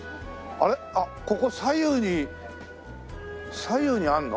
あっここ左右に左右にあるの？